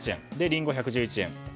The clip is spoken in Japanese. リンゴ、１１１円。